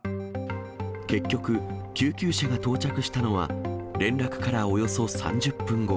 結局、救急車が到着したのは連絡からおよそ３０分後。